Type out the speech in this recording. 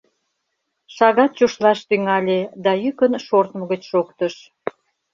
Шагат чушлаш тӱҥале, да йӱкын шортмыгыч шоктыш.